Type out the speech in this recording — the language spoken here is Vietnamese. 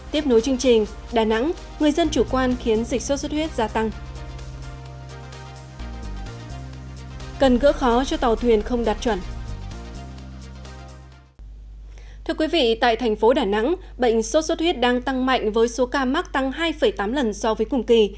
thưa quý vị tại thành phố đà nẵng bệnh sốt sốt huyết đang tăng mạnh với số ca mắc tăng hai tám lần so với cùng kỳ